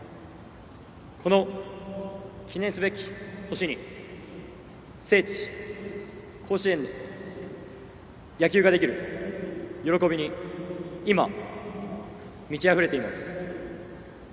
この記念すべき年に聖地・甲子園で野球ができる喜びに今、満ちあふれています。